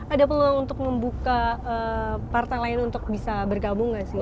ada peluang untuk membuka partai lain untuk bisa bergabung gak sih